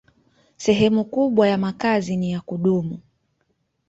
Sehemu kubwa ya makazi ni ya kudumu.